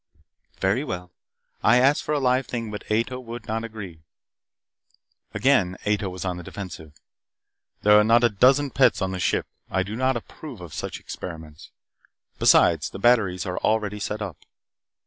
"Very well. I asked for a live thing, but Ato would not agree." Again Ato was on the defensive. "There are not a dozen pets on the ship. I do not approve of such experiments. Besides, the batteries are already set up."